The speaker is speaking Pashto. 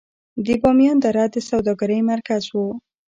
د بامیان دره د سوداګرۍ مرکز و